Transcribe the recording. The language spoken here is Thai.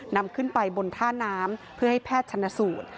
นำขึ้นไปบนท่าน้ำเพื่อให้แพทย์ชนสูตร